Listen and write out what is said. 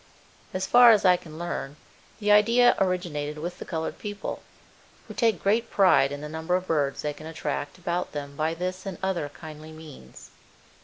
As far as I can learn, the idea originated with the colored people, who take great pride in the number of birds they can attract about them by this and other kindly means.